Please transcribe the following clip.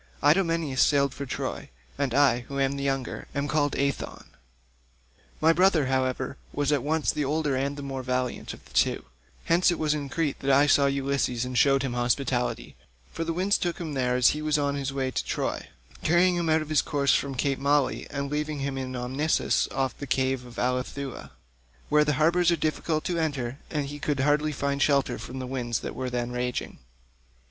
Idomeneus sailed for Troy, and I, who am the younger, am called Aethon; my brother, however, was at once the older and the more valiant of the two; hence it was in Crete that I saw Ulysses and showed him hospitality, for the winds took him there as he was on his way to Troy, carrying him out of his course from cape Malea and leaving him in Amnisus off the cave of Ilithuia, where the harbours are difficult to enter and he could hardly find shelter from the winds that were then raging.